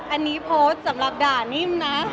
อันนี้โพสต์สำหรับด่านิ่มนะ